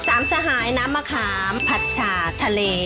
สามสะหายน้ำมักค้ำผัดฉ่าทะเล